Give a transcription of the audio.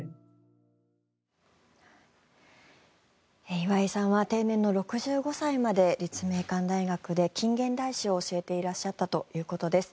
岩井さんは定年の６５歳まで立命館大学で近現代史を教えていらっしゃったということです。